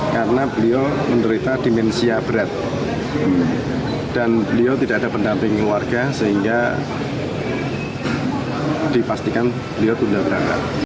karena beliau menderita demensia berat dan beliau tidak ada pendamping keluarga sehingga dipastikan beliau tidak berangkat